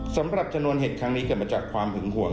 สำหรับชนวนเหตุครั้งนี้เกิดมาจากความหึงห่วง